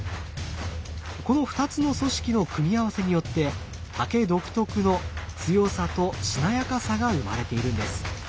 この２つの組織の組み合わせによって竹独特の強さとしなやかさが生まれているんです。